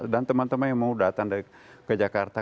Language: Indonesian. dan teman teman yang mau datang ke jakarta